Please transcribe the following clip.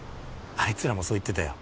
あいつらもそう言ってたよ